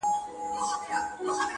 لټوي د نجات لاري او غارونه،